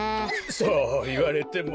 そういわれても。